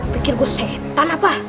pikir gue setan apa